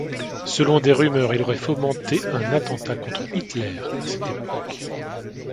Selon des rumeurs, il aurait fomenté un attentat contre Hitler à cette époque.